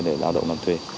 đào động làm thuê